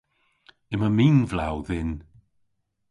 Yma minvlew dhyn.